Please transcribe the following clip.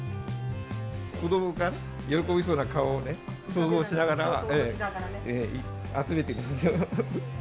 子どもがね、喜びそうな顔をね、想像しながら、集めているんですよ。